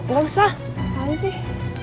gak usah apaan sih